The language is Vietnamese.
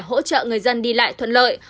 hỗ trợ người dân đi lại thuận lợi